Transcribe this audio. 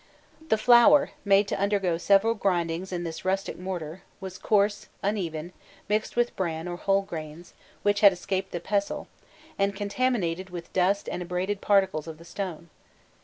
The flour, made to undergo several grindings in this rustic mortar, was coarse, uneven, mixed with bran, or whole grains, which had escaped the pestle, and contaminated with dust and abraded particles of the stone.